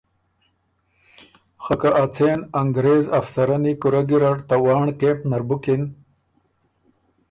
خه که ا څېن انګرېز افسرنی کُورۀ ګډ ته وانړ کېمپ نر بُکِن